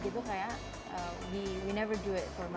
dikerjakan dengan sepenuh hati